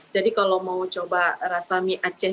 jadi kalau mau coba rasa mie aceh